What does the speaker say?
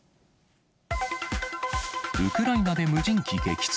ウクライナで無人機撃墜。